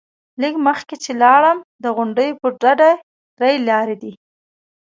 لږ مخکې چې لاړم، د غونډۍ پر ډډه درې لارې دي.